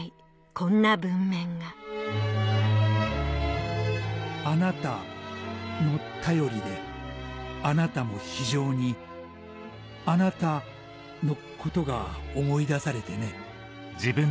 こんな文面が「アナタの便りでアナタも非常にアナタのことが思い出されてね」